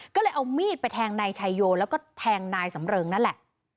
ก็เลยเอามีดไปแทงนายชายโยแล้วก็แทงนายสำเริงนั่นแหละ